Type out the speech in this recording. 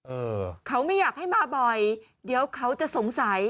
เออเขาไม่อยากให้มาบ่อยเดี๋ยวเขาจะสงสัย